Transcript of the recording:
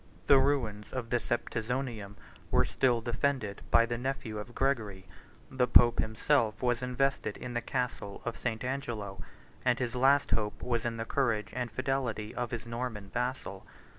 The ruins of the Septizonium were still defended by the nephew of Gregory: the pope himself was invested in the castle of St. Angelo; and his last hope was in the courage and fidelity of his Norman vassal.